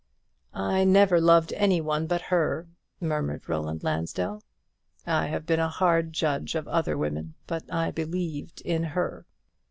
"I never loved any one but her," murmured Roland Lansdell, "I have been a hard judge of other women; but I believed in her."